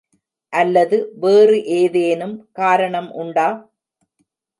அல்லது வேறு ஏதேனும் காரணம் உண்டா?